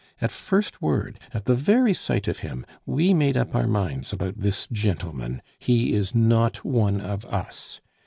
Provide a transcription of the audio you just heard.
At first word, at the very first sight of him, we made up our minds about this gentleman he is not one of us.